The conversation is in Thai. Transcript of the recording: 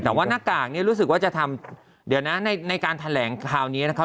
แต่ว่าหน้ากากนี้รู้สึกว่าจะทำเดี๋ยวนะในการแถลงคราวนี้นะครับ